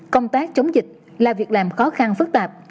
công tác chống dịch là việc làm khó khăn phức tạp